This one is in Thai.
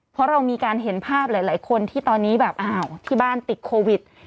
เพราะเรามีการเห็นภาพหลายคนที่ตอนนี้แบบอ้าวที่บ้านติดโควิด